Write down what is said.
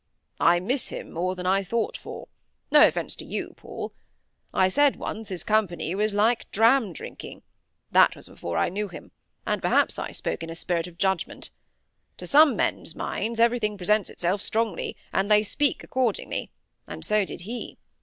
"I miss him more than I thought for; no offence to you, Paul. I said once his company was like dram drinking; that was before I knew him; and perhaps I spoke in a spirit of judgment. To some men's minds everything presents itself strongly, and they speak accordingly; and so did he.